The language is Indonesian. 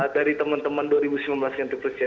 dari teman teman dua ribu sembilan belas yang dipercaya